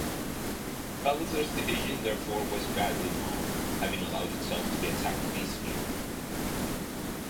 Palliser's division therefore was badly mauled, having allowed itself to be attacked piecemeal.